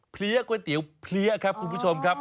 เลี้ยก๋วยเตี๋ยวเพลี้ยครับคุณผู้ชมครับ